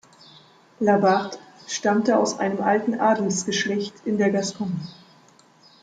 La Barthe stammte aus einem alten Adelsgeschlecht in der Gascogne.